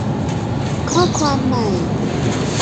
ข้อความใหม่